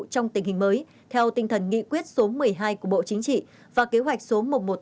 trong tình hình mới theo tinh thần nghị quyết số một mươi hai của bộ chính trị và kế hoạch số một trăm một mươi tám